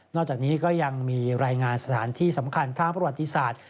จากนี้ก็ยังมีรายงานสถานที่สำคัญทางประวัติศาสตร์